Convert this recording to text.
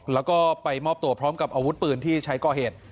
แล้วก็ไปมอบตัวพร้อมกับอาวุธปืนที่ใช้ก่อเหตุ